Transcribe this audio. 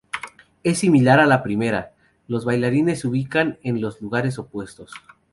Es similar a la primera, los bailarines se ubican en los lugares opuestos.